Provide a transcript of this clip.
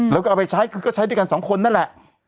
แล้วก็เอาไปใช้คือก็ใช้ด้วยกันสองคนนั่นแหละ